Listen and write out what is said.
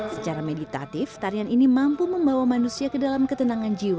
secara meditatif tarian ini mampu membawa manusia ke dalam ketenangan jiwa